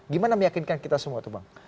gimana meyakinkan kita semua tuh bang